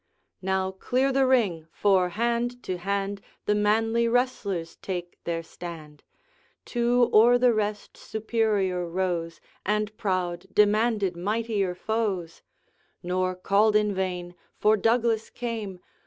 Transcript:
Now, clear the ring! for, hand to hand, The manly wrestlers take their stand. Two o'er the rest superior rose, And proud demanded mightier foes, Nor called in vain, for Douglas came.